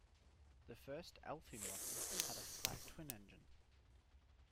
The first Alfi model had a flat-twin engine.